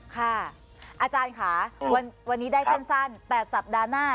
ค่ะอาจารย์ค่ะวันนี้ได้สั้นแต่สัปดาห์หน้า